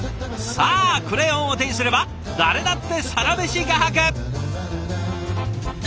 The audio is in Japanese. さあクレヨンを手にすれば誰だってサラメシ画伯！